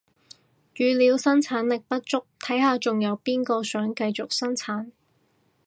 語料生產力不足，睇下仲有邊個想繼續生產